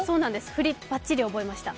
振りばっちり覚えました。